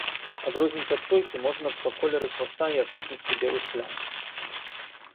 Адрозніць ад сойкі можна па колеры хваста і адсутнасці белых плям.